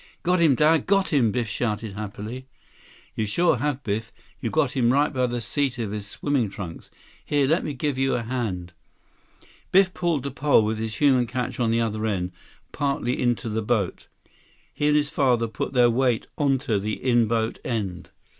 "Got him, Dad. Got him!" Biff shouted happily. "You sure have, Biff. You got him right by the seat of his swimming trunks. Here, let me give you a hand." 168 Biff pulled the pole, with his human catch on the other end, partly into the boat. He and his father put their weight onto the in boat end.